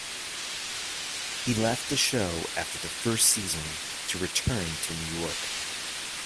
He left the show after the first season to return to New York.